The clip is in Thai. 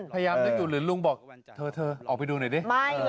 พยายามเลือกอยู่หรือลุงบอกเธอออกไปดูหน่อยดิ